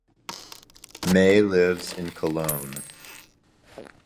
Maye lives in Cologne.